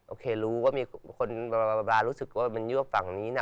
โอเครู้ว่ามีคนบารู้สึกว่ามันยั่วฝั่งนี้นะ